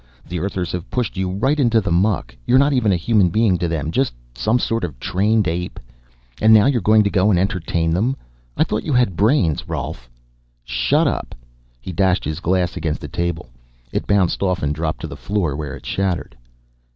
The Earthers have pushed you right into the muck. You're not even a human being to them just some sort of trained ape. And now you're going to go and entertain them. I thought you had brains, Rolf!" "Shut up!" He dashed his glass against the table; it bounced off and dropped to the floor, where it shattered.